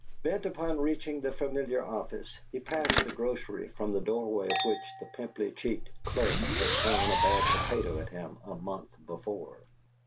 Bent upon reaching the familiar office, he passed the grocery from the doorway of which the pimply cheeked clerk had thrown a bad potato at him a month before.